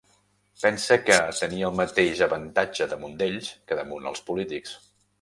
Pense que tenia el mateix avantatge damunt d'ells que damunt els polítics.